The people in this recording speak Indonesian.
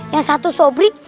yang satu sobri